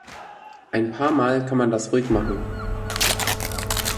Ein paar mal kann man das ruhig machen.